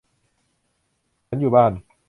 ฉันอยู่บ้าน